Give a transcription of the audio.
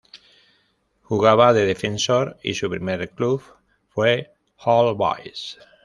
Jugaba de defensor y su primer club fue All Boys.